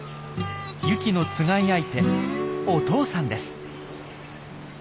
ユキのつがい相手お父さんです。